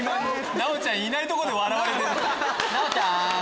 奈央ちゃんいないとこで笑われてる。